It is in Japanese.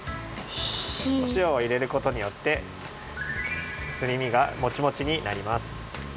おしおを入れることによってすり身がモチモチになります。